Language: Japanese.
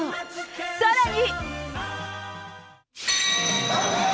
さらに！